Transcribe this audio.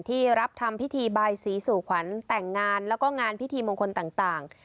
ที่รับทำพิธีบายสีสู่ขวัญแต่งงานแล้วก็งานพิธีมงคลต่าง